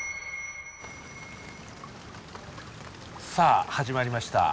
さあ始まりました。